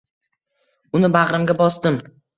uni bag‘rimga bosdim.